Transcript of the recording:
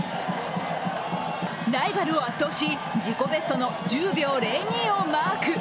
ライバルを圧倒し、自己ベストの１０秒０２をマーク。